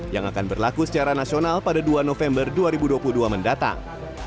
yang akan berlaku secara nasional pada dua november dua ribu dua puluh dua mendatang